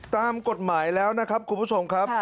ตามกฎหมายแล้วนะครับคุณผู้ชมครับ